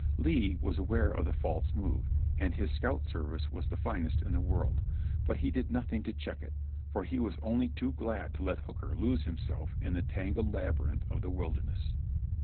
Lee was aware of the false move, for his scout service was the finest in the world; but he did nothing to check it, for he was only too glad to let Hooker lose himself in the tangled labyrinth of the Wilderness.